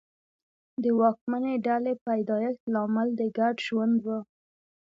د واکمنې ډلې پیدایښت لامل د ګډ ژوند و